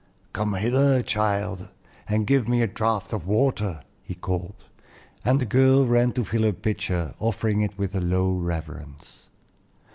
"Come hither, child, and give me a draught of water," he called, and the girl ran to fill her pitcher, offering it with a low reverence.